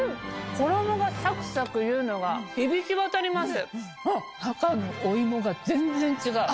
衣がサクサクいうのが響き渡ります。